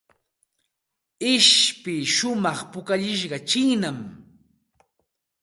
Ishpi shumaq pukallishqa chiinam.